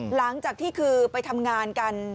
หลังจากที่คือไปทำงานกัน